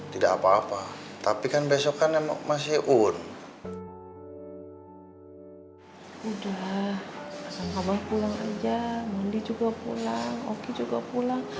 tidak apa apa tapi kan besok kan emang masih un udah ngomong pulang aja mondi juga pulang juga pulang